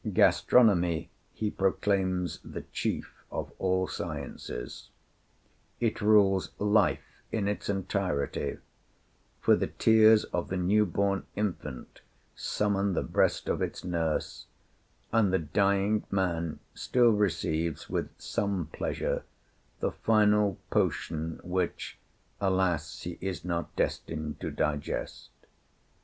Gastronomy he proclaims the chief of all sciences: "It rules life in its entirety; for the tears of the new born infant summon the breast of its nurse, and the dying man still receives with some pleasure the final potion, which, alas, he is not destined to digest."